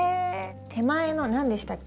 手前の何でしたっけ？